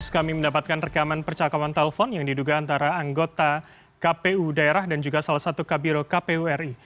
kami mendapatkan rekaman percakapan telpon yang diduga antara anggota kpu daerah dan juga salah satu kabiro kpu ri